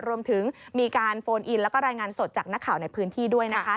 รวมถึงมีการโฟนอินแล้วก็รายงานสดจากนักข่าวในพื้นที่ด้วยนะคะ